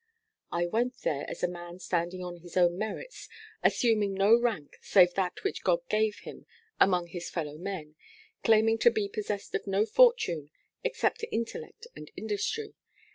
'I went there as a man standing on his own merits, assuming no rank save that which God gave him among his fellow men, claiming to be possessed of no fortune except intellect and industry.